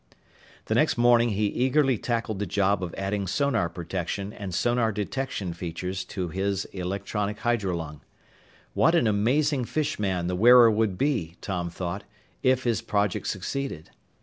The next morning he eagerly tackled the job of adding sonar protection and sonar detection features to his electronic hydrolung. What an amazing fish man the wearer would be, Tom thought, if his project succeeded!